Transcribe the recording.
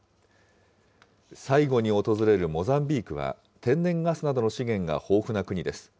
最後に訪れるモザンビークは、天然ガスなどの資源が豊富な国です。